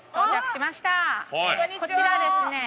こちらはですね